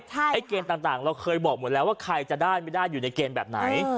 ไอ้เกณฑ์ต่างเราเคยบอกหมดแล้วว่าใครจะได้ไม่ได้อยู่ในเกณฑ์แบบไหน